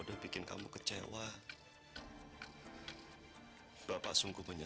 sampai jumpa di video selanjutnya